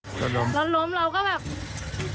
ตะล้มเราก็แบบ